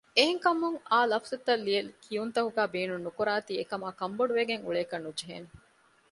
އެހެން ކަމުން އާ ލަފުޒުތައް ލިޔެކިޔުންތަކުގައި ބޭނުން ނުކުރާތީ އެކަމާ ކަންބޮޑުވެގެން އުޅޭކަށް ނުޖެހޭނެ